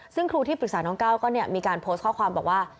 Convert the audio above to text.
ซึ่งครูที่ปรึกษาน้องก้าวก็มีการโพสต์ข้อความบอกว่า